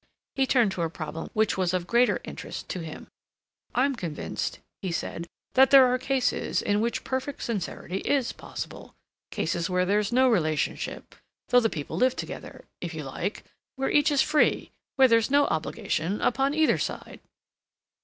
He turned to a problem which was of greater interest to him. "I'm convinced," he said, "that there are cases in which perfect sincerity is possible—cases where there's no relationship, though the people live together, if you like, where each is free, where there's no obligation upon either side."